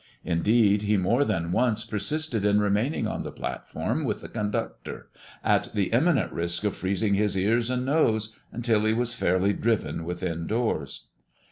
Indeed, he more than once persisted in remaining on the platform with the conductor at the imminent risk of freezing his ears and nose, until he was fairly driven within doors.